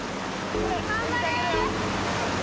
頑張れ。